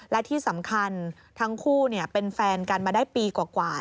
และที่สำคัญทั้งคู่เป็นแฟนกันมาได้ปีกว่า